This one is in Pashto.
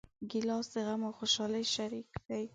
ګیلاس د غم او خوشحالۍ شریک دی.